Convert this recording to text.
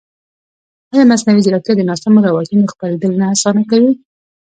ایا مصنوعي ځیرکتیا د ناسمو روایتونو خپرېدل نه اسانه کوي؟